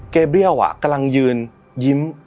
เกบรี่โอร์อะกำลังยืนยิ้ม